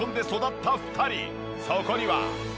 そこには。